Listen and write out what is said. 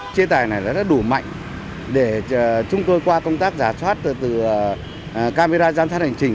chế tài này đã đủ mạnh để chúng tôi qua công tác giả soát từ camera giám sát hành trình